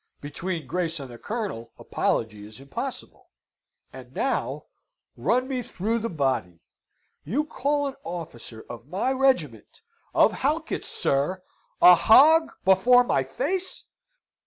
Between Grace and the Colonel apology is impossible. And, now run me through the body! you call an officer of my regiment of Halkett's, sir! a hog before my face!